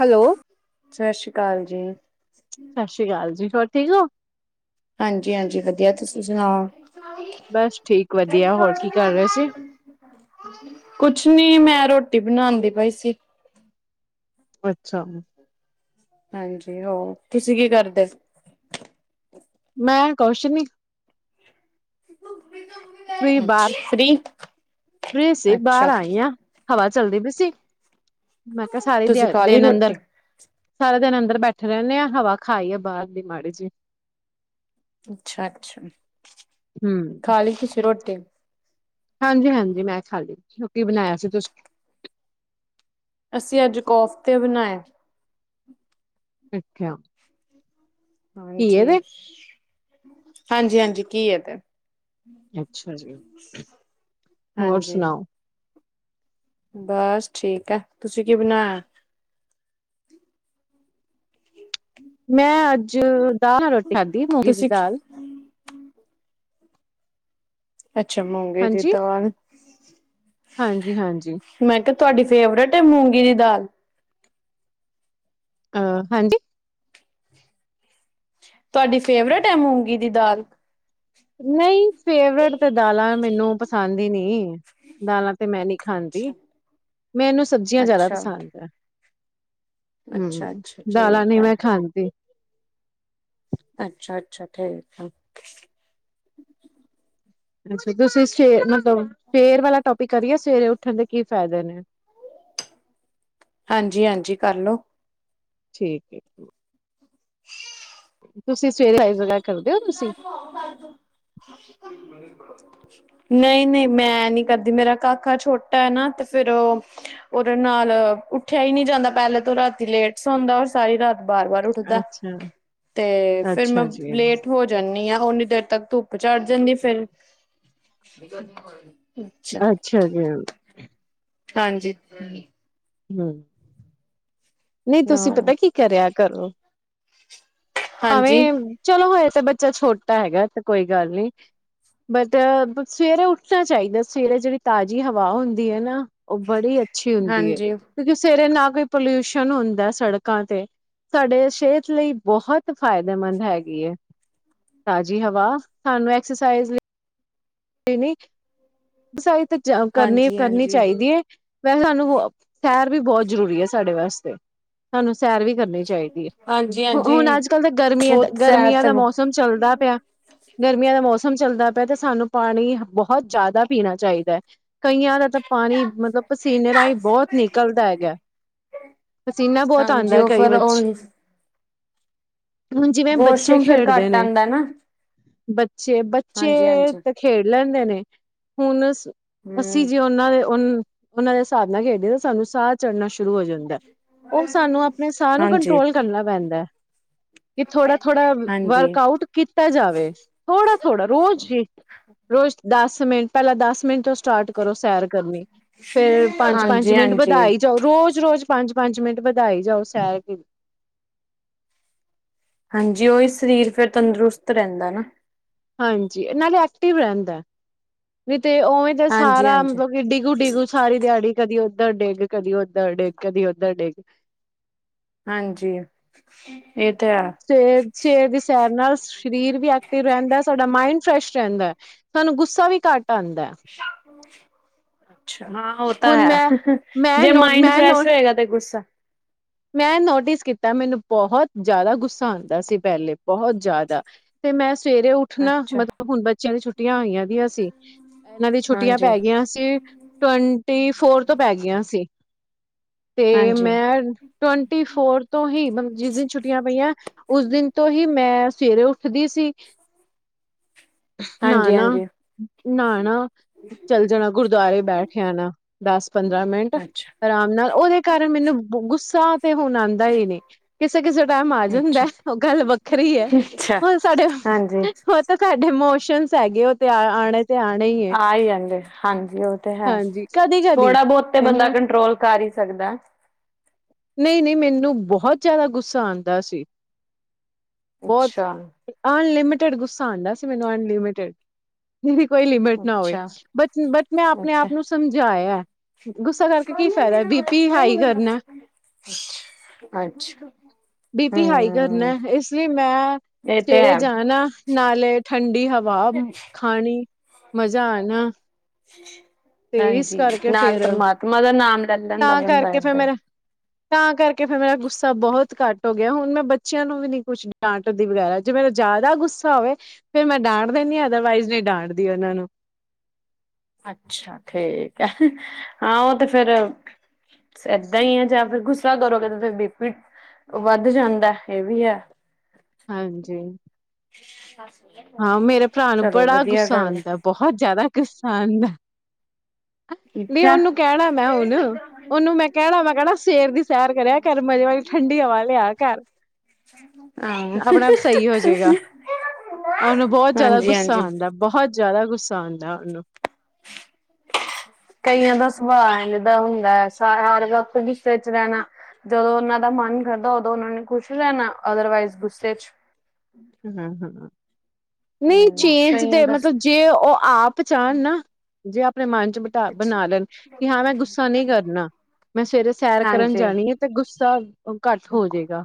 Hello. ਸਸੀ ਕਾਲ ਜੀ। ਸਸੀ ਕਾਲ ਜੀ ਹੋਰ ਠੀਕ ਹੋ? ਹਾਂਜੀ - ਹਾਂਜੀ ਵਧੀਆ ਤੁਸੀਂ ਸੁਣਾਓ? ਬਸ ਠੀਕ ਵਧੀਆ। ਹੋਰ ਕੀ ਕਰ ਰਹੇ ਸੀ? ਕੁਛ ਨੀ ਮੈਂ ਰੋਟੀ ਬਣਾਦੀ ਪਈ ਸੀ। ਅੱਛਾ। ਹਾਂਜੀ, ਹੋ ਤੁਸੀਂ ਕੀ ਕਰਦੇ ਮੈਂ ਕੌਛ ਨੀ। ਫਿਰ ਤੋਂ ਫੀ ਬਾਹਰ, ਫਰੀ ਸੀ ਅੱਛਾ ਬਾਹਰ ਆਈ ਆ। ਹਵਾ ਚੱਲਦੀ ਪੀ ਸੀ, ਮੈਂ ਕਿਹਾ ਸਾਰੀ ਦੇ ਤੁਸੀਂ ਦਿਆ ਖਾ ਲਈ ਦਿਨ ਅੰਦਰ ਰੋਟੀ? ਸਾਰੇ ਦਿਨ ਅੰਦਰ ਬੈਠੇ ਰਹਿੰਨੇ ਆ, ਹਵਾ ਖਾ ਆਈਏ ਬਾਹਰ ਦੀ ਮਾੜੀ ਜੀ। ਅੱਛਾ, ਅੱਛਾ ਹੂੰ, ਖਾਲੀ ਤੁਸੀਂ ਰੋਟੀ? ਹਾਂਜੀ ਹਾਂਜੀ ਮੈਂ ਖਾ ਲੀ ਹੁਣ ਕੀ ਬਣਾਇਆ ਸੀ ਤੁਸੀਂ? ਅਸੀਂ ਅੱਜ ਕੋਫਤੇ ਬਣਾਏ। ਪੇਖੇ। ਹਾਂਜੀ, ਹਾਂਜੀ ਹਾਂਜੀ ਘਿਯੇ ਤੇ। ਅੱਛਾ ਜੀ, ਹੋਰ ਹਾਂਜੀ। ਸੁਣਾਓ? ਬਸ ਠੀਕ ਏ, ਤੁਸੀਂ ਕੀ ਬਣਾਇਆ? ਮੈਂ ਅੱਜ ਦਾਲ-ਰੋਟੀ ਖਾਧੀ ਮੂੰਗੀ ਦੀ ਤੁਸੀਂ ਦਾਲ। ਅੱਛਾ, ਮੂੰਗੀ ਦੀ ਦਾਲ ਹਾਂਜੀ, ਹਾਂਜੀ। ਮੈਂ ਕਿਹਾ ਤੁਹਾਡੀ ਫੇਵਰੇਟ ਏ, ਮੂੰਗੀ ਦੀ ਦਾਲ? ਆ ਹਾਂਜੀ। ਤੁਹਾਡੀ ਫੇਵਰੇਟ ਏ, ਮੂੰਗੀ ਦੀ ਦਾਲ? ਨਹੀਂ, ਫੇਵਰੇਟ ਤੇ ਦਾਲਾਂ ਮੈਨੂੰ ਪਸੰਦ ਹੀ ਨਹੀਂ। ਦਾਲਾਂ ਤੇ ਮੈਂ ਨਹੀਂ ਖਾਂਦੀ, ਅੱਛਾ ਮੈਨੂੰ ਸਬਜ਼ੀਆਂ ਜ਼ਿਆਦਾ ਅੱਛਾ, ਪਸੰਦ ਏ। ਅੱਛਾ, ਹੂੰ, ਅੱਛਾ ਦਾਲਾਂ ਠੀਕ ਨੀ ਹੈ। ਮੈਂ ਖਾਂਦੀ। ਅੱਛਾ, ਅੱਛਾ ਠੀਕ ਆ। ਅੱਛਾ, ਤੁਸੀਂ ਸਵੇਰ ਮਤਲਬ ਸਵੇਰ ਵਾਲਾ ਟੋਪਿਕ ਕਰੀਏ, ਸਵੇਰੇ ਉੱਠਣ ਦੇ ਕੀ ਫਾਇਦੇ ਨੇ। ਹਾਂਜੀ, ਹਾਂਜੀ ਕਰ ਲਓ। ਠੀਕ [unintelligible] ਤੁਸੀਂ ਸਵੇਰੇ [unintelligible] ਕਰਦੇ ਹੋ ਤੁਸੀਂ? [inaudible] ਨਹੀਂ, ਨਹੀਂ ਮੈਂ ਨਹੀਂ ਕਰਦੀ, ਮੇਰਾ ਕਾਕਾ ਛੋਟਾ ਏਨਾ ਤੇ ਫੇਰ ਓਹ ਓਹਦੇ ਨਾਲ ਉੱਠਿਆ ਹੀ ਨਹੀਂ ਜਾਂਦਾ, ਪਹਿਲੇ ਤੇ ਓਹ ਰਾਤੀ ਲੇਟ ਸੌੰਦਾ ਔਰ ਸਾਰੀ ਰਾਤ ਬਾਰ-ਬਾਰ ਉੱਠਦਾ ਅੱਛਾ ਤੇ ਫੇਰ ਮੈਂ ਅੱਛਾ ਜੀ। ਲੇਟ ਹੋ ਜਾਂਦੀ ਆ, ਓਨੀ ਦੇਰ ਤੱਕ ਧੁੱਪ ਚੜ ਜਾਂਦੀ ਫੇਰ ਅੱਛਾ ਜੀ। ਹਾਂਜੀ। [inaudible] ਨਹੀਂ, ਨਾ ਤੁਸੀਂ ਪਤਾ ਕੀ ਕਰਿਆ ਕਰੋ ਹਾਂਜੀ, ਭਾਵੇਂ ਚਲੋ ਹਜੇ ਤਾਂ, ਬੱਚਾ ਛੋਟਾ ਹੈਗਾ ਤੇ ਕੋਈ ਗੱਲ ਨੀ ਬਟ ਸਵੇਰੇ ਉੱਠਣਾ ਚਾਹੀਦਾ, ਸਵੇਰੇ ਜਿਹੜੀ ਤਾਜ਼ੀ ਹਵਾ ਹੁੰਦੀ ਹੈ ਨਾ ਉਹ ਬੜੀ ਅੱਛੀ ਹੁੰਦੀ ਹੈ। ਹਾਂਜੀ, ਕਿਉਂਕਿ ਸਵੇਰੇ ਨਾ ਕੋਈ ਪੋਲਿਊਸ਼ਨ ਹੁੰਦਾ, ਸੜਕਾਂ ਤੇ ਸਾਡੇ ਸਿਹਤ ਲਈ ਬਹੁਤ ਫਾਇਦੇਮੰਦ ਹੈਗੀ ਏ, ਤਾਜ਼ੀ ਹਵਾ ਸਾਨੂੰ ਐਕਸਰਸਾਈਜ਼ ਲਈ [unintelligible] ਤਾਂ ਕਰਨੀ ਹਾਂਜੀ, ਕਰਨੀ ਹਾਂਜੀ, ਚਾਹੀਦੀ ਹੈ। [unintelligible] ਸਾਨੂੰ ਸੈਰ ਵੀ ਬਹੁਤ ਜ਼ਰੂਰੀ ਹੈ, ਸਾਡੇ ਵਾਸਤੇ ਸਾਨੂੰ ਸੈਰ ਵੀ ਕਰਨੀ ਚਾਹੀਦੀ ਏ, ਹਾਂਜੀ, ਹੁਣ ਹਾਂਜੀ। ਅੱਜ-ਕੱਲ੍ਹ ਤਾਂ ਗਰਮੀਆਂ ਦਾ ਬਹੁਤ ਸੈਰ ਗਰਮੀਆਂ ਤੇ ਦਾ ਮੌਸਮ ਚੱਲਦਾ ਪਿਆ, ਗਰਮੀਆਂ ਦਾ ਮੌਸਮ ਚੱਲਦਾ ਪਿਆ ਤੇ ਸਾਨੂੰ ਪਾਣੀ ਬਹੁਤ ਜ਼ਿਆਦਾ ਪੀਣਾ ਚਾਹੀਦਾ ਏ, ਕਈਆਂ ਦਾ ਤਾਂ ਪਾਣੀ ਮਤਲਬ ਪਸੀਨੇ ਰਾਹੀਂ ਬਹੁਤ ਨਿਕਲਦਾ ਹੈਗਾ। ਪਸੀਨਾ ਬਹੁਤ ਹਾਂਜੀ ਆਉਂਦਾ ਉਹ ਕਈ ਫੇਰ ਉਹ ਹੁਨ ਜਿਵੇਂ ਬੱਚੇ ਵਾਸ਼ਰੂਮ ਫੇਰ ਖੇਡਦੇ ਘੱਟ ਨੇ ਆਂਦਾ ਨਾ ਬੱਚੇ ਬੱਚੇ ਹਾਂਜੀ ਹਾਂਜੀ ਤੇ ਖੇਡ ਲੈਂਦੇ ਨੇ ਹੁਨ ਅਸੀਂ ਹੂੰ ਜੇ ਉਹਨਾਂ ਦੇ ਉਹਨਾਂ ਦੇ ਹਿਸਾਬ ਨਾਲ ਖੇਡੀਏ ਤਾਂ ਸਾਨੂੰ ਸਾਹ ਚੜ੍ਹਨਾ ਸ਼ੁਰੂ ਹੋ ਜਾਂਦਾ, ਉਹ ਸਾਨੂੰ ਆਪਣੇ ਸਾਹ ਨੂੰ ਹਾਂਜੀ ਕੰਟਰੋਲ ਕਰਨਾ ਪੈਂਦਾ ਹੈ। ਕਿ ਥੋੜਾ-ਥੋੜਾ ਹਾਂਜੀ ਵਰਕ ਆਊਟ ਕੀਤਾ ਜਾਵੇ, ਥੋੜਾ-ਥੋੜਾ ਰੋਜ਼ ਹੀ ਰੋਜ਼ ਦਸ ਮਿੰਟ ਪਹਿਲਾਂ ਦਸ ਮਿੰਟ ਸਟਾਰਟ ਕਰੋ ਸੈਰ ਕਰਨੀ, ਫੇਰ ਪੰਜ, ਪੰਜ ਹਾਂਜੀ ਮਿੰਟ ਹਾਂਜੀ ਵਧਾਈ ਜਾਓ। ਰੋਜ਼, ਰੋਜ਼ ਪੰਜ, ਪੰਜ ਮਿੰਟ ਵਧਾਈ ਜਾਓ ਸੈਰ ਕੀ ਹਾਂਜੀ, ਔਹੀ ਸਰੀਰ ਫਿਰ ਤੰਦਰੁਸਤ ਰਹਿੰਦਾ ਨਾ। ਹਾਂਜੀ, ਨਾਲੇ ਐਕਟਿਵ ਰਹਿੰਦਾ। ਨੀ ਤੇ ਉਵੇਂ ਤੇ ਹਾਂਜੀ ਸਾਰਾ ਹਾਂਜੀ ਮਤਲਬ ਕਿ ਡਿੱਗੂ, ਡਿੱਗੂ ਸਾਰੀ ਦਿਹਾੜੀ ਕਦੀ ਔਧਰ ਡਿੱਗ, ਕਦੀ ਔਧਰ ਡਿੱਗ, ਕਦੀ ਔਧਰ ਡਿੱਗ। ਹਾਂਜੀ। ਇਹ ਤਾਂ ਹੈ। ਸਵੇਰ ਦੀ ਸੈਰ ਨਾਲ ਸ਼ਰੀਰ ਵੀ ਐਕਟਿਵ ਰਹਿੰਦਾ ਸਾਡਾ ਮਾਇੰਡ ਫਰੈਸ਼ ਰਹਿੰਦਾ। ਸਾਨੂੰ ਗੁੱਸਾ ਵੀ ਘੱਟ ਆਉਂਦਾ। ਅੱਛਾ ਹਾਂ। ਉਹ ਤਾਂ ਹੁਣ ਮੈਂ ਹੈ ਮੈਂ ਜੇ ਨੋ ਮਾਇੰਡ ਮੈਂ ਨੋ ਫਰੈਸ਼ ਹੋਏਗਾ ਤੇ ਗੁੱਸਾ ਮੈਂ ਨੋਟਿਸ ਕੀਤਾ ਮੈਨੂੰ ਬਹੁਤ ਜ਼ਿਆਦਾ ਗੁੱਸਾ ਆਉਂਦਾ ਸੀ ਪਹਿਲੇ ਬਹੁਤ ਜ਼ਿਆਦਾ। ਤੇ ਮੈਂ ਸਵੇਰੇ ਉੱਠ ਉਠ ਨਾ ਅੱਛਾ ਮਤਲਬ ਹੁਣ ਬੱਚਿਆਂ ਦੀ ਛੁੱਟੀਆਂ ਆਈਆਂ ਦੀਆਂ ਸੀ, ਇਹਨਾਂ ਦੀ ਛੁੱਟੀਆਂ ਹਾਂਜੀ ਪੈ ਗਈਆਂ। [unintelligible] ਟਵੰਟੀ ਫੋਰ ਤੋਂ ਪੈ ਗਈਆਂ ਸੀ ਤੇ ਹਾਂਜੀ ਮੈਂ ਟਵੰਟੀ ਫੋਰ ਤੋਂ ਹੀ [unintelligible] ਜਿਸ ਛੁੱਟੀਆਂ ਪਈਆਂ ਉਸ ਦਿਨ ਤੋਂ ਹੀ ਮੈਂ ਸਵੇਰੇ ਉੱਠਦੀ ਸੀ। ਹਾਂਜੀ ਨਾਣਾ, ਹਾਂਜੀ ਨਾਣਾ ਚੱਲ ਜਾਣਾ, ਗੁਰਦੁਆਰੇ ਬੈਠ ਆਨਾ ਦਸ -ਪੰਦਰਾਂ ਮਿੰਟ। ਅੱਛਾ ਆਰਾਮ ਨਾਲ ਉਹਦੇ ਕਾਰਨ ਮੈਨੂੰ ਗੁੱਸਾ ਤੇ ਹੁਣ ਆਉਂਦਾ ਹੀ ਨਹੀਂ ਕਿਸੇ, ਕਿਸੇ ਟਾਈਮ ਆ ਅੱਛਾ ਜਾਂਦਾ ਉਹ ਗੱਲ ਵੱਖਰੀ ਹੈ। ਅੱਛਾ ਹਣ ਸਾਡੇ ਹਾਂਜੀ ਉਹ ਤਾਂ ਸਾਡੇ ਇਮੋਸ਼ਨ ਹੈਗੇ ਉਹ ਤੇ ਆਣੇ ਤੇ ਆਣੇ ਐ ਆ ਹੀ ਆਦੇ ਹਾਂਜੀ ਉਹ ਤੇ ਹੈ, ਹਾਂਜੀ ਕਦੀ-ਕਦੀ ਥੋੜਾ ਬਹੁਤ ਤੇ ਬੰਦਾ ਇਨਾ ਕੰਟਰੋਲ ਕਰ ਹੀ ਸਕਦਾ। ਨਹੀਂ, ਨਹੀਂ ਮੈਨੂੰ ਬਹੁਤ ਜ਼ਿਆਦਾ ਗੁੱਸਾ ਆਉਂਦਾ ਸੀ, ਬਹੁਤ ਅੱਛਾ ਅਨਲਿਮਿਟਿਡ ਗੁੱਸਾ ਆਉਂਦਾ ਸੀ ਮੈਨੂੰ ਅਨਲਿਮਿਟਿਡ। ਜਿਦੀ ਕੋਈ ਲਿਮਿਟ ਨਾ ਹੋਵੇ, ਅੱਛਾ ਬਟ -ਬਟ ਮੈਂ ਆਪਣੇ ਅੱਛਾ ਆਪ ਨੂੰ ਸਮਝਾਇਆ। ਗੁੱਸਾ ਕਰਕੇ ਕੀ ਫਾਇਦਾ, ਬੀ ਪੀ ਹਾਈ ਕਰਨਾ। ਅੱਛਾ। ਬੀ ਪੀ ਹਾਈ ਕਰਨਾ, ਹਮ ਇਸ ਲਈ ਮੈਂ ਇਹ ਤੇ ਸਵੇਰੇ ਹੈ ਜਾਣਾ, ਨਾਲੇ ਠੰਡੀ ਹਵਾ ਖਾਣੀ ਮਜ਼ਾ ਆਣਾ। ਤੇ ਇਸ ਹਾਂਜੀ, ਕਰਕੇ ਨਾਲ ਫੇਰ ਪਰਮਾਤਮਾ ਦਾ ਨਾਮ ਲੈ ਲੈਂਦਾ ਤਾਂ ਬੰਦਾ ਕਰਕੇ ਫੇਰ ਏਦਾਂ ਹੀ। ਮੇਰਾ ਤਾਂ ਕਰਕੇ ਫੇਰ ਮੇਰਾ ਗੁੱਸਾ ਬਹੁਤ ਘੱਟ ਹੋ ਗਿਆ, ਹੁਣ ਮੈਂ ਬੱਚਿਆਂ ਨੂੰ ਵੀ ਨੀ ਕੁੱਛ ਡਾਂਟ ਦੀ ਵਗੈਰਾ ਜੇ ਮੇਰਾ ਜ਼ਿਆਦਾ ਗੁੱਸਾ ਹੋਵੇ ਫੇਰ ਮੈਂ ਡਾਂਟ ਦਿੰਦੀ ਹਾਂ, ਅਦਰਵਾਈਜ਼ ਨਹੀਂ ਡਾਂਟਦੀ ਉਹਨਾਂ ਨੂੰ। ਅੱਛਾ ਠੀਕ ਹੈ, ਹਾਂ ਉਹ ਤੇ ਫੇਰ ਇੱਦਾਂ ਹੀ ਹੈ, ਜਾਂ ਫੇਰ ਗੁੱਸ ਕਰੋਗੇ ਤੇ ਫੇਰ ਬੀਪੀ ਵੱਧ ਜਾਂਦਾ ਇਹ ਵੀ ਹੈ। ਹਾਂਜੀ। ਹਾਂ ਮੇਰੇ ਭਰਾ ਨੂੰ ਚਲੋ ਬੜਾ ਵਧੀਆ ਗੁੱਸਾ ਗੱਲ ਏ। ਆਂਦਾ ਬਹੁਤ ਜ਼ਿਆਦਾ ਗੁੱਸਾ ਆਉਂਦਾ। ਨਹੀਂ ਅੱਛਾ ਉਹਨੂੰ ਕਹਿਣਾ ਮੈਂ ਹੁਣ ਉਹਨੂੰ ਮੈਂ ਕਹਿਣਾ ਮੈਂ ਕਹਿਣਾ ਸਵੇਰ ਦੀ ਸੈਰ ਕਰਿਆ ਘਰ ਮਜ਼ੇ ਵਾਲੀ ਠੰਢਡੀ ਹਵਾ ਲਿਆ ਕਰ। ਹਾਂ ਆਪਣੇ ਆਪ ਸਹੀ ਹੋਜੇਗਾ। ਉਹਨੂੰ ਬਹੁਤ ਜਿਆਦਾ ਹਾਂਜੀ ਗੁੱਸਾ ਹਾਂਜੀ ਆਉਂਦਾ, ਬਹੁਤ ਜਿਆਦਾ ਗੁੱਸਾ ਆਉਂਦਾ ਉਹਨੂੰ। ਕਈਆਂ ਦਾ ਸੁਭਾਅ ਐਂਵੇ ਦਾ ਹੁੰਦੈ, ਸਾਰਾ ਹਰ ਵਕਤ ਗੂੱਸੇ ਚ ਰੈਨਾ। ਜਦੋਂ ਓਨਾਂ ਦਾ ਮਾੰਨ ਕਰਦੈ ਉਦੋਂ ਓਨਾਂ ਨੇ ਖੁਸ਼ ਰੈਨਾ, ਅਦਰਵਾਈਸ ਗੁੱਸੇ ਚ। ਹੂੰ, ਹੂੰ ਨਈ ਹਮ ਚੇਂਜ ਕਈਆਂ ਤੇ ਮਤਲਬ ਦਾ ਜੇ ਓ ਆਪ ਚ੍ਹਾਨ ਨਾ, ਜੇ ਆਪਨੇ ਮੰਨ ਚ ਟਾ੍ਹਬਨਾ ਲੈਨ ਕਿ ਹਾਂ ਮੈਂ ਗੁੱਸਾ ਨੀ ਕਰਨਾ, ਮੈਂ ਸਵੇਰੇ ਸੈਰ ਕਰਨ ਹਾਂਜੀ ਜਾਨੀ ਏ ਤੇ ਗੁੱਸਾ ਘਾੱਟ ਹੋਜੇਗਾ,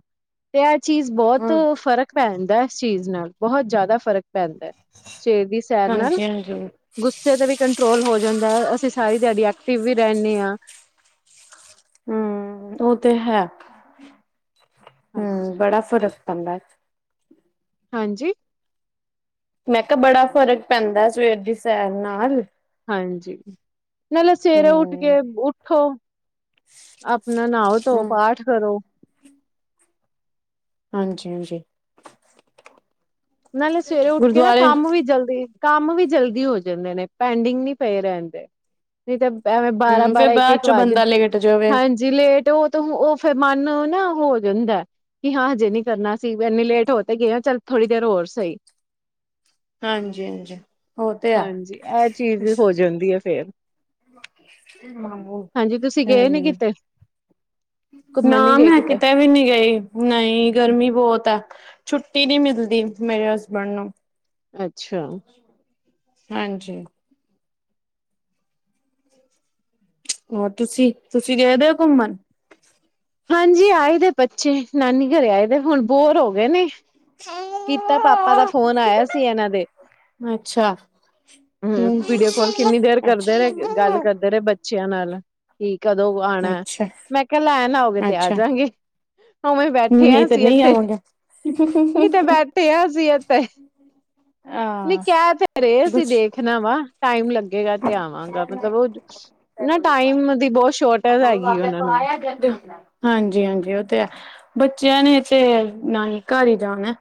ਤੇ ਐ ਚੀਜ ਬੋਤ ਹਮ ਫਰਕ ਪੈਦੈ ਚੀਜ ਨਾਲ ਬੋਹਤ ਜਾਦਾ ਫ਼ਰਕ ਪੈਂਦੈ, ਸਵੇਰ ਦੀ ਸੈਰ ਨਾਲ ਹਾਂਜੀ ਹਾਂਜੀ ਗੁੱਸੇ ਤੇ ਵੀ ਕੰਟਰੋਲ ਹੋ ਜਂਦੈ, ਅਸੀ ਸਾਰੀ ਦੇਹਾੜੀ ਐਕਟਿਵ ਵੀ ਰੈਨੇ ਆਂ। ਹੂੰ, ਓ ਤੇ ਹੈ, ਹਾਂਜੀ। ਹੂੰ ਬੜਾ ਫਰਕ ਪੈਂਦੈ। ਹਾਂਜੀ। ਮੈਂ ਕੇਆ ਬੜਾ ਫ਼ਰਕ ਪੈਂਦੈ ਸਵੇਰ ਦੀ ਸੈਰ ਨਾਲ। ਹਾਂਜੀ, ਨਾਲੇ ਸਵੇਰੇ ਉਠ ਹਮ ਕੇ, ਉਠੋ ਆਪਨਾ ਨਾਓ-ਧੋਓ ਹਮ ਪਾਠ ਕਰੋ। ਹਾਂਜੀ-ਹਾਂਜੀ। ਨਾਲੇ ਸਵੇਰੇ ਉੱਠ ਕੇ ਨਾ ਕਾੰਮ ਵੀ ਜਲਦੀ ਕਾੰਮ ਵੀ ਜਲਦੀ ਹੋ ਜਾਂਦੇ ਨੇ, ਪੈਂਡਿੰਗ ਨੀ ਪਏ ਰੈਂਦੇ। ਨੀ ਤਾਂ ਐਵੇਂ ਹਮ ਫੇਰ ਬਾਰਾਂ-ਬਾਰਾਂ, ਬਾਅਦ ਇੱਕ-ਇੱਕ ਚੋਂ ਵਾੱਜ, ਬੰਦਾ ਲੇਟ ਜਾਵੇ ਹਾਂਜ ਜੇ ਲੇਟ ਓ ਤੇ ਓ ਫੈਰ ਮਾੰਨ ਨਾ ਓਹ ਹੋ ਜਾਂਦੈ। ਕਿ ਹਾਂ ਹਜੇ ਨੀ ਕਰਨਾ ਅਸੀ, ਇੰਨੀ ਲੇਟ ਹੋ ਤੇ ਗਏ ਆਂ, ਚੱਲ ਥੋੜੀ ਦੇਰ ਹੋਰ ਸਈ। ਹਾਂਜੀ ਹਾਂਜੀ ਉਹ ਤੇ ਆ ਹਾਂਜੀ, ਐ ਚੀਜ ਹੋ ਜਾਂਦੀ ਏ ਫੇਰ। [unintelligible] ਹਾਂਜੀ ਤੁਸੀਂ ਗਏ ਨੀ ਕਿਤੇ ਹੂੰ। ਨਾ ਘੁੰਮਣ ਨੀ ਗਏ ਮੈਂ ਕਿਤੇ ਵੀ ਨੀ ਗਈ। ਨਈ ਗਰਮੀ ਬੋਤ ਐ, ਛੁੱਟੀ ਨੀ ਮਿਲਦੀ ਮੇਰੇ ਹਸਬੈਂਡ ਨੂੰ ਅੱਛਾ। ਹਾਂਜੀ। ਹੋਰ ਤੂਸੀ, ਤੂਸੀ ਗਏਦੇ ਓ ਘੁੰਮਨ? ਹਾਂਜੀ ਆਏ ਦੇ ਬੱਚੇ, ਨਾਨੀ ਘਰੇ ਆਏ ਦੇ, ਹੁਨ ਬੋਰ ਹੋ ਗਏ ਨੇ। ਕੀਤਾ, ਪਾਪਾ ਦਾ ਫੋਨ ਆਏਆ ਸੀ ਐਨਾਂ ਦੇ ਅੱਛਾ ਹੂੰ, ਵੀਡੀਓ ਕੋਲ ਕਿੰਨੀ ਦੇਰ ਕਰਦੇ ਅੱਛਾ ਰਏ, ਗਾੱਲ ਕਰਦੇ ਰਏ ਬ ਬੱਚੇਆਂ ਨਾਲ ਕੀ ਕਦੋਂ ਆਣੈ, ਅੱਛਾ ਮੈਂ ਕੇਆ ਲੈਨ ਆਓਗੇ ਤੇ ਆ ਅੱਛਾ ਜਾਂਗੇ। ਓਵੇਂ ਈ ਬੈਠੇ ਆ ਨਹੀਂ ਤੇ ਅਸੀ ਨਹੀਂ ਏੱਥੇ। ਆਵਾਂਗੇ ਨੀ ਤੇ ਬੈਠੇ ਆ ਅਸੀ ਏਤੇ, ਨੀ ਆ ਕੈਅ ਤੇ ਰਏ ਸੀ ਕੁਛ ਦੇਖ ਖਨਾ ਵਾ, ਟਾਈਮ ਲੱਗੇਗਾ ਤੇ ਆਵਾਂਗਾ, ਮਤਲਬ ਓਦ ਨਾ ਟਾਈਮ ਦੀ ਬੋਤ ਸ਼ੋਰਟ [unintelligible] ਹਾਂਜੀ-ਹਾਂਜੀ, ਓ ਤੇ ਹੈ। ਬੱਚੇਆਂ ਨੇ ਤੇ, ਨਾਨੀ ਘਾਰ ਈ ਜਾਣੈ।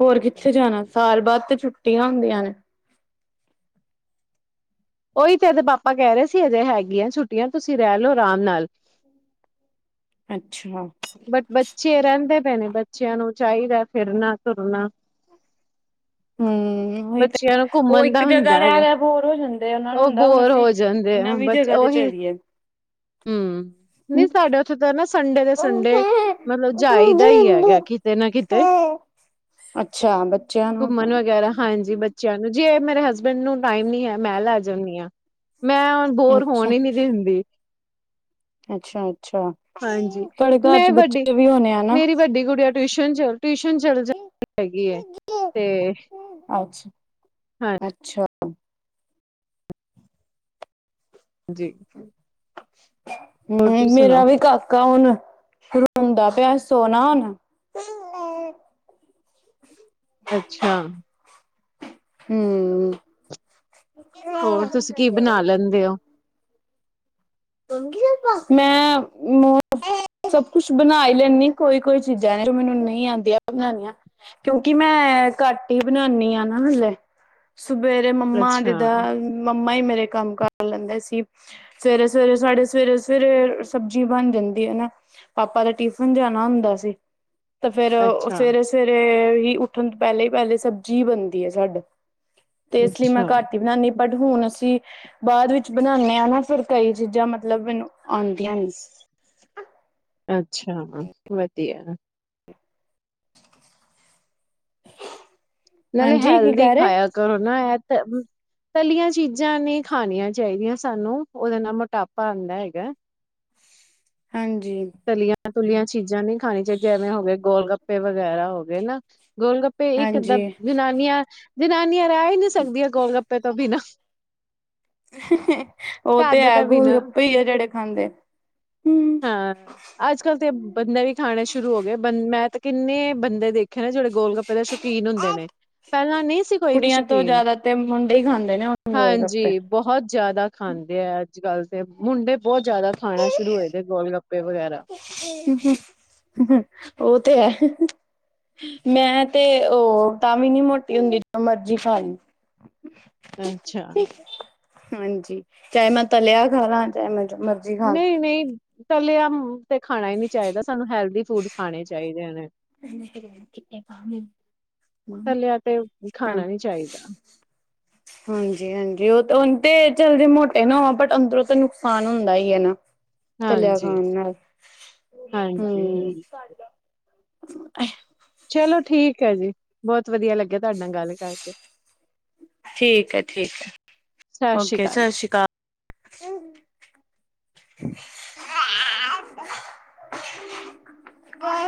ਹੋਰ ਕਿੱਥੇ ਜਾਨਾ, ਸਾਲ ਬਾਦ ਤੇ ਛੁੱਟੀਆਂ ਹੁੰਦੀਆਂ ਨੇ। ਉਈ ਤੇ ਐਦੇ ਪਾਪਾ ਕੈ ਰਏ ਸੀ, ਹਜੇ ਹੈਗੀਆਂ ਛੁੱਟੀਆਂ, ਤੂਸੀ ਰੈਅ ਲੋ ਅਰਾਮ ਨਾਲ। ਅੱਛਾ। ਬਟ ਬੱਚੇ ਰੈਂਦੇ ਪਏ ਨੇ, ਬੱਚੇਆਂ ਨੂੰ ਚਾਈਦੈ ਫਿਰਨਾ-ਤੁਰਨਾ। ਉਹੀ ਤੇ ਬੱਚੇਆਂ ਨੂੰ ਉਹ ਘੁੰਮਨ ਇੱਕ ਦਾ ਹੁੰਦੈ ਜਗ੍ਹਾ ਰਹਿ ਹੈਗੈ, ਰਹਿ ਬੋਰ ਹੋ ਜਾਂਦੇ ਉਹਨਾਂ ਨੂੰ ਓ ਹੁੰਦਾ ਹੁਣ ਬੋਰ ਅਸੀਂ ਹੋ ਜਾਂਦੇ ਆ, ਨਵੀਂ ਬੱਚ ਜਗ੍ਹਾ ਤੇ ਓਹੀ, ਚਲੀਏ ਹੂੰ ਨੀ ਸਾਡੇ ਓਥੇ ਤਾਂ ਨਾ ਸ ਸੰਡੇ ਦੇ ਸੰਡੇ ਮਤਲਬ ਜਾਈਦਾ ਈ ਹੈਗੈ ਕਿਤੇ ਨਾ ਕਿਤੇ। ਅੱਛਾ, ਬੱਚੇਆਂ ਨੂੰ ਗੈਰਾ, ਹਾਂਜੀ ਬੱਚੇਆਂ ਨੂੰ, ਜੇ ਮੇਰੇ ਹਸਬੈਂਡ ਨੂੰ ਟਾਈਮ ਨੀ ਹੈ, ਮੈਂ ਲੈ ਜਾਂਨੀ ਆਂ। ਮੈਂ ਹੁਣ ਬੋਰ ਹੋਣ ਅੱਛਾ ਈ ਨੀ ਦਿੰਦੀ। ਅੱਛਾ -ਅੱਛਾ। ਹਾਂਜੀ, ਤੁਹਾਡੇ ਘਰ ਚ ਮੈਂ ਵੱਡੀ, ਬੱਚੇ ਵੀ ਹੋਣੇ ਆ ਨਾ ਮੇਰੀ ਵੱਡੀ ਗੁੜੀਆਂ। ਟਿਊਸ਼ਨ 'ਚ, ਟਿਊਸ਼ਨ ਚੱਲ ਜਾਂਦੀ ਹੈਗੀ ਐ ਤੇ ਅੱਛ ਅੱਛਾ ਜੀ। ਹੂ ਮੇਰਾ ਸੁਣਾਓ ਵੀ ਕ ਗਾਊਨ ਸ਼ੂਰੂ ਹੁੰਦਾ ਪਿਆ ਸੋਨਾ ਹੁਣ। ਅੱਛਾ ਹੂੰ ਹੋਰ ਤੁਸੀਂ ਕੀ ਬਣਾ ਲੈਂਦੇ ਹੋ। ਮੈਂ ਮੋ। ਸਭ ਕੁਛ ਬਣਾਈ ਈ ਲੈਨੀ ਕੋਈ-ਕੋਈ ਚੀਜ਼ਾਂ ਨੇ ਜੋ ਮੈਨੂੰ ਨਹੀਂ ਆਉਂਦੀਆਂ ਬਣਾਉਣੀਆਂ। ਕਿਉਂਕਿ ਮੈਂ ਘਟ ਹੀ ਬਣਾਉਨੀ ਆ ਨਾ ਹਲੇ ਸਵੇਰੇ ਮੰਮਾ ਅੱਛਾ ਜਿੱਦਾਂ ਮੰਮਾ ਹੀ ਮੇਰੇ ਕੰਮ ਕਰ ਲੈਂਦੇ ਸੀ ਸਵੇਰੇ। ਸਵੇਰੇ ਸਾਡੇ ਸਵੇਰੇ ਸਵੇਰੇ ਸਬਜ਼ੀ ਬਣ ਜਾਂਦੀ ਏ ਨਾ। ਪਾਪਾ ਦਾ ਟਿਫਨ ਜਾਣਾ ਹੁੰਦਾ ਸੀ ਤੇ ਫੇਰ ਉਹ ਅੱਛਾ ਸਵੇਰੇ। ਸਵੇਰੇ ਹੀ ਉੱਠਣ ਤੋਂ ਪਹਿਲੇ ਹੀ ਪਹਿਲੇ ਸਬਜ਼ੀ ਬਣਦੀ ਹੈ ਸਾਡਾ ਤੇ ਇਸ ਲਈ ਮੈਂ ਅੱਛਾ ਘੱਟ। ਰੋਟੀ ਬਣਾਨੀ ਬਟ ਹੁਣ ਅਸੀਂ ਬਾਅਦ ਵਿੱਚ ਬਣਾਉਂਦੇ ਹਾਂ ਨਾ ਫਿਰ। ਕਈ ਚੀਜ਼ਾਂ ਮਤਲਬ ਮੈਨੂੰ ਆਉਂਦੀਆਂ ਨੀ ਸੀ। ਅੱਛਾ ਵਧੀਆ। ਨਾਲੇ ਹਾਂਜੀ ਕੀ ਹੈਲਦੀ ਕਹਿ ਰਹੇ ਖਾਇਆ ਕਰੋ ਨਾ ਇਹ ਤਾਂ। ਤਲੀਆਂ ਚੀਜ਼ਾਂ ਨਈ ਖਾਣੀਆਂ ਚਾਹੀਦੀਆਂ ਸਾਨੂੰ ਉਹਦੇ ਨਾਲ ਮੋਟਾਪਾ ਆਦਾ ਹੈਗਾ। ਹਾਂਜੀ। ਤਲੀਆਂ ਤੁਲੀਆਂ ਚੀਜ਼ਾਂ ਨੀ ਖਾਣੀ ਚਾਹੀਦੀਆਂ ਜੈਵੇਂ ਹੋ ਗਏ ਗੋਲ ਗੱਪੇ ਵਗੈਰਾ ਹੋ ਗਏ ਨਾ ਗੋਲ ਗੱਪੇ। ਤੇ ਇਕ ਅੱਧਾ ਹਾਂਜੀ ਜਨਾਨੀਆਂ-ਜਨਾਨੀਆਂ। ਰਹਿ ਹੀ ਨਹੀਂ ਸਕਦੀਆਂ ਗੋਲ ਗੱਪੇ ਤੋਂ ਬਿਨਾਂ। ਉਹ ਘਰ ਤੇ ਦੇ ਹੈ ਤਾਂ ਗੋਲ ਬਿਨਾਂ ਗੱਪੇ ਹੀ ਆ ਜਿਹੜੇ ਖਾਂਦੇ ਨੇ ਹਾਂ ਅੱਜ ਕੱਲ੍ਹ ਤੇ ਬੰਦੇ ਵੀ ਖਾਣੇ ਸ਼ੁਰੂ ਹੋ ਗਏ ਬੰ ਮੈਂ ਤਾਂ ਕਿੰਨੇ ਬੰਦੇ ਦੇਖ। ਦੇਖੇ ਨੇ ਜਿਹੜੇ ਗੋਲ ਗੱਪੇ ਦੇ ਸ਼ੌਕੀਨ ਹੁੰਦੇ ਨੇ। ਪਹਿਲਾਂ ਨਹੀਂ ਸੀ ਕੋਈ ਵੀ ਕੁੜੀਆਂ ਤੋਂ ਸ਼ੌਕੀਨ ਜ਼ਿਆਦਾ ਤੇ ਮੁੰਡੇ ਹੀ ਖਾਂਦੇ ਨੇ ਹੁਣ ਗੋਲ ਗੱਪੇ ਹਾਂਜੀ। ਬਹੁਤ ਜਿਆਦਾ ਖਾਂਦੇ ਆ ਅੱਜ ਕੱਲ ਤੇ ਮੁੰਡੇ ਬਹੁਤ ਜਿਆਦਾ ਖਾਣਾ ਸ਼ੁਰੂ ਹੋਏ ਦੇ ਗੋਲ ਗੱਪੇ। ਗੋਲ ਗੱਪੇ ਵਗੈਰਾ। ਉਹ ਤੇ ਹੈ। ਮੈਂ ਤੇ ਉਹ ਤਾਂ ਵੀ ਨੀ ਮੋਟੀ ਹੁੰਦੀ ਜਿੰਨਾ ਮਰਜੀ ਖਾ ਲੀਏ। ਅੱਛਾ। ਹਾਂਜੀ ਚਾਹੇ ਮੈਂ ਤਲਿਆ ਖਾ ਲਾ ਚਾਹੇ ਮੈਂ ਜੋਂ ਮਰਜੀ। ਖਾ ਨਹੀਂ ਨਹੀਂ ਤਾਲਿਆ ਤੇ ਖਾਣਾ ਹੀ ਨਹੀਂ ਚਾਹੀਦਾ ਸਾਨੂੰ ਹੈਲਦੀ ਫੂਡ ਖਾਣੇ ਚਾਹੀਦੇ ਨੇ। [unintelligible] ਤਲਿਆ ਤੇ ਹਾਂ ਖਾਣਾ ਨੀ ਚਾਹੀਦਾ। ਹਾਂਜੀ ਹਾਂਜੀ ਉਹ ਤਾਂ ਉਹ ਤੇ ਜਲਦੇ ਮੋਟੇ ਨਾ ਹੋ ਬਟ ਅੰਦਰੋਂ ਤਾਂ ਨੁਕਸਾਨ ਹੁੰਦਾ ਹੀ ਹੈ ਨਾ। ਤਲਿਆ ਹਾਂਜੀ ਖਾਣ ਨਾਲ ਹਾਂਜੀ ਹੂੰ ਹਾਂਜੀ ਏਹ ਚਲੋ ਠੀਕ ਹੈ ਜੀ ਬਹੁਤ ਵਧੀਆ ਲੱਗਿਆ ਤੁਹਾਡੇ ਨਾਲ ਗੱਲ ਕਰਕੇ। ਠੀਕ ਹੈ, ਠੀਕ ਹੈ। ਓਕੇ, ਸਤਿ ਸ੍ਰੀ ਅਕਾਲ।